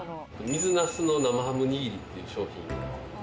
水なすの生ハムにぎりっていう商品。